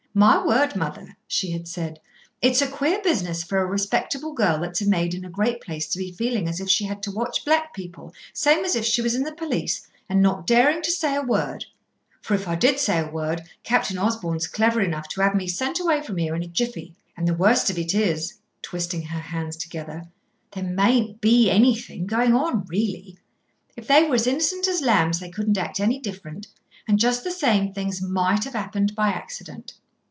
"My word, mother!" she had said, "it's a queer business for a respectable girl that's maid in a great place to be feeling as if she had to watch black people, same as if she was in the police, and not daring to say a word; for if I did say a word, Captain Osborn's clever enough to have me sent away from here in a jiffy. And the worst of it is," twisting her hands together, "there mayn't be anything going on really. If they were as innocent as lambs they couldn't act any different; and just the same, things might have happened by accident."